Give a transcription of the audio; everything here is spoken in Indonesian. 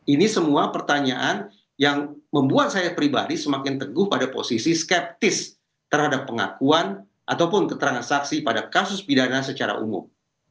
ini semua pertanyaan yang membuat saya pribadi semakin teguh pada posisi skeptis terhadap pengakuan ataupun keterangan saksi pada kasus pidana secara umum